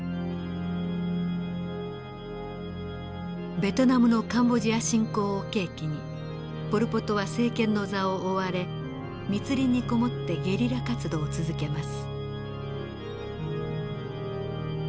ベトナムのカンボジア侵攻を契機にポル・ポトは政権の座を追われ密林に籠もってゲリラ活動を続けます。